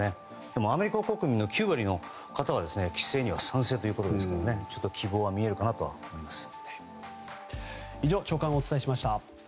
でも、アメリカ国民の９割の方は規制に賛成ということですからちょっと希望は見えるかなと思います。